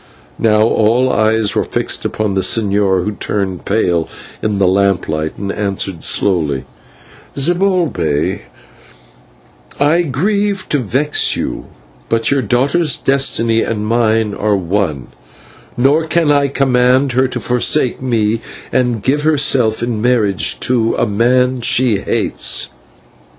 Now all eyes were fixed upon the señor, who turned pale in the lamplight and answered slowly: "Zibalbay, I grieve to vex you, but your daughter's destiny and mine are one, nor can I command her to forsake me and give herself in marriage to a man she hates."